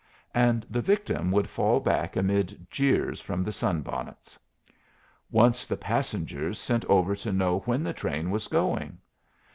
And the victim would fall back amid jeers from the sun bonnets. Once the passengers sent over to know when the train was going.